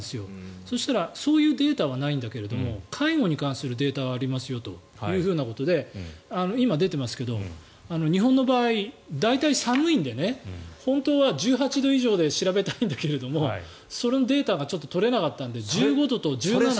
そしたらそういうデータはないんだけれど介護に関するデータはありますよということで今、出てますが日本の場合、大体寒いので本当は１８度以上で調べたいんだけれどもそのデータが取れなかったので１５度と１７度。